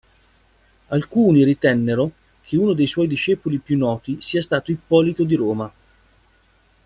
Alcuni ritennero che uno dei suoi discepoli più noti sia stato Ippolito di Roma.